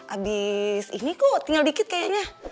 abis ini kok tinggal dikit kayaknya